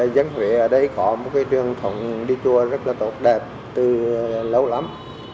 gián huyện ở đây có một trường thống đi chùa rất tốt đẹp từ lâu lắm